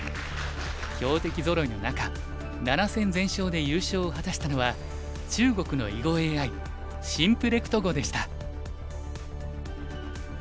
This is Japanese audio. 強敵ぞろいの中７戦全勝で優勝を果たしたのは中国の囲碁ＡＩなんと